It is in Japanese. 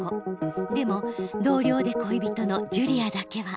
でも同僚で恋人のジュリアだけは。